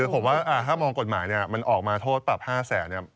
คือผมว่าถ้ามองกฎหมายเนี่ยมันออกมาโทษปรับ๕แสนเนี่ย